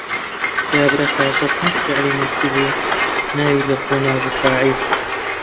کابرا تازە پێنج شیعری نووسی بوو، ناوی لەخۆی نابوو شاعیر.